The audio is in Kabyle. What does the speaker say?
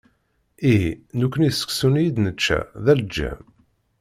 Ihi! Nekkni, seksu-nni i d-nečča d aleǧǧam.